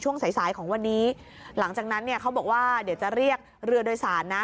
สายสายของวันนี้หลังจากนั้นเนี่ยเขาบอกว่าเดี๋ยวจะเรียกเรือโดยสารนะ